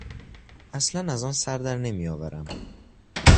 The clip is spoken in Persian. اصلا از آن سر درنمیآورم.